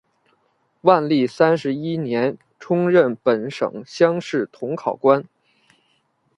万历三十一年充任本省乡试同考官。